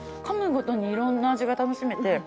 噛むごとにいろんな味が楽しめて。